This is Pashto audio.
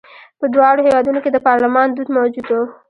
په دواړو هېوادونو کې د پارلمان دود موجود و.